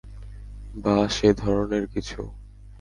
বা সে ধরনের কিছু।